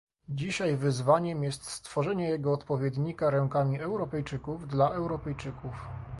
Dzisiaj wyzwaniem jest stworzenie jego odpowiednika rękami Europejczyków dla Europejczyków